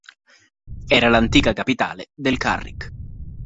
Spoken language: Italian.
Era l'antica capitale del Carrick.